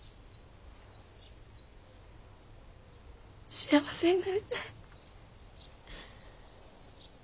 幸せになりたい。